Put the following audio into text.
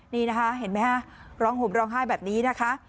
นี่นะคะเห็นไหมฮะร้องห่มร้องไห้แบบนี้นะคะ